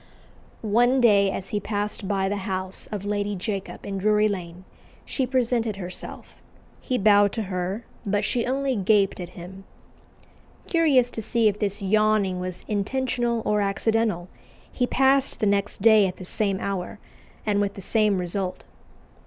One day, as he passed by the house of Lady Jacob in Drury Lane, she presented herself: he bowed to her, but she only gaped at him. Curious to see if this yawning was intentional or accidental, he passed the next day at the same hour, and with the same result.